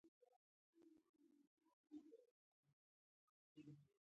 هغه څو ورځې مخکې له دکان څخه تللی و.